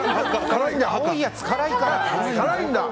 青いやつ、辛いから。